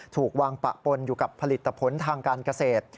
ถูกวางปะปนอยู่กับผลิตผลทางการเกษตร